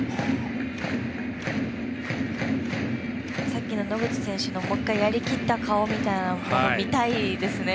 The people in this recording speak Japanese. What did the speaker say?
さっきの野口選手のもう一回やりきった顔みたいなの見たいですね。